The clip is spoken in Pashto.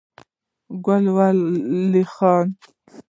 ګل ولي خان